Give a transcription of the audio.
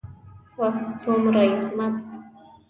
واه څومره عظمت.